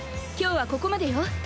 今日はここまでよ。